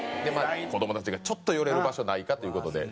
子供たちがちょっと寄れる場所ないかという事で。